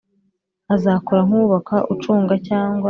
azakora nk uwubaka ucunga cyangwa